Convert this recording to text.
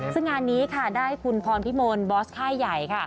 ซึ่งงานนี้ได้คุณพรพิมลบอสใคร่ใหญ่